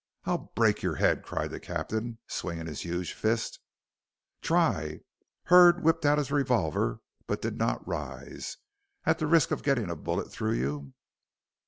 "I'll break your head," cried the captain, swinging his huge fists. "Try," Hurd whipped out his revolver, but did not rise, "at the risk of getting a bullet through you.